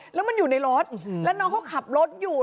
แล้วมันอยู่ในรถแล้วน้องเขาขับรถอยู่